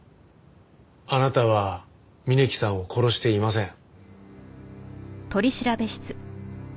あなたは峯木さんを殺していません。